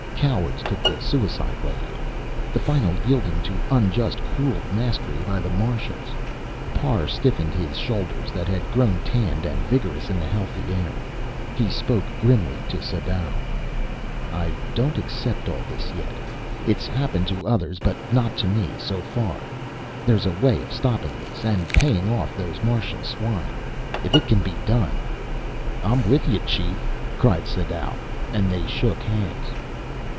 Cowards took the suicide way out, the final yielding to unjust, cruel mastery by the Martians. Parr stiffened his shoulders, that had grown tanned and vigorous in the healthy air. He spoke grimly to Sadau: "I don't accept all this yet. It's happened to others, but not to me so far. There's a way of stopping this, and paying off those Martian swine. If it can be done " "I'm with you, Chief!" cried Sadau, and they shook hands.